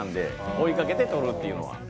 追いかけて取るっていうのは。